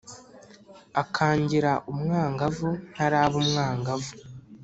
akangira umwangavu, ntaraba umwangavu.